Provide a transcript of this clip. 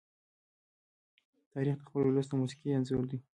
تاریخ د خپل ولس د موسیقي انځور دی.